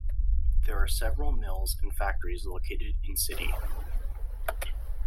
There are several mills and factories located in city.